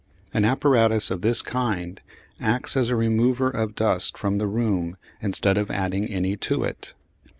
An apparatus of this kind acts as a remover of dust from the room instead of adding any to it.